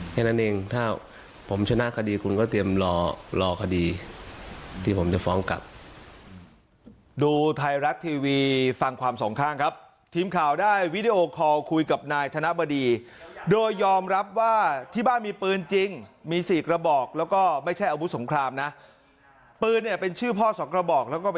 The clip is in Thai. แค่นั้นเองถ้าผมชนะคดีคุณก็เตรียมรอคดีที่ผมจะฟ้องกับ